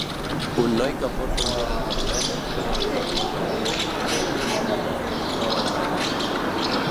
Un noi que porta ulleres vermelles fent alguna cosa amb foc mentre un grup d'espectadors mira.